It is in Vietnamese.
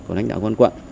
của lãnh đạo quân quận